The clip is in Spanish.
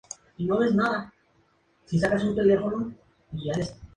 Su primer libro, titulado ""El Incesto.